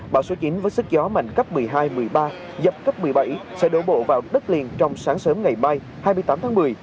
bão số chín với sức gió mạnh cấp một mươi hai một mươi ba giật cấp một mươi bảy sẽ đổ bộ vào đất liền trong sáng sớm ngày mai hai mươi tám tháng một mươi